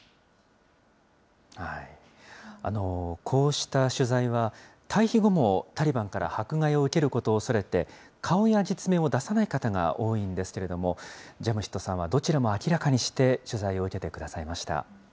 こうした取材は、退避後もタリバンから迫害を受けることを恐れて、顔や実名を出さない方が多いんですけれども、ジャムシッドさんはどちらも明らかにして取材を受けてくださいました。